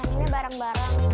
jadi ya lebih kerjasama